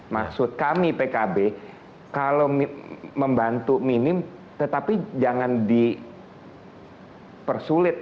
maksud kami pkb kalau membantu minim tetapi jangan dipersulit